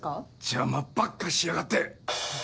邪魔ばっかしやがって！